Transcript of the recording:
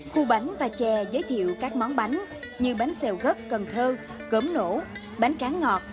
khu bánh và chè giới thiệu các món bánh như bánh xèo gất cần thơ gốm nổ bánh tráng ngọt